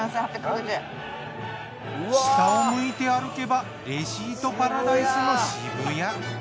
下を向いて歩けばレシートパラダイスの渋谷。